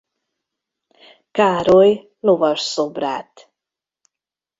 Károly lovas szobrát.